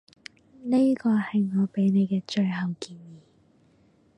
呢個係我畀你嘅最後建議